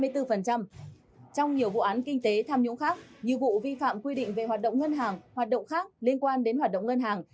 trong nhiều vụ án kinh tế tham nhũng khác như vụ vi phạm quy định về hoạt động ngân hàng hoạt động khác liên quan đến hoạt động ngân hàng